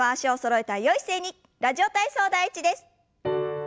「ラジオ体操第１」です。